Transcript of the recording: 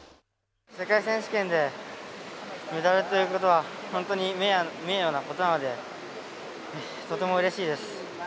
世界選手権でメダルということは本当に名誉なことなのでとてもうれしいです。